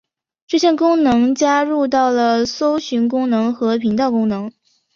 这项功能加入到了搜寻功能和频道功能。